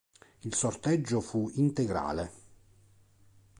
Il sorteggio fu integrale.